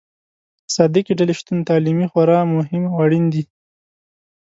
صادقې ډلې شتون تعلیمي خورا مهم او اړين دي.